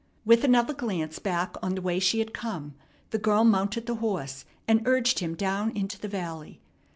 With another glance back on the way she had come, the girl mounted the horse and urged him down into the valley.